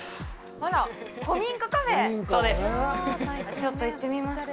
あら古民家カフェちょっと行ってみますか？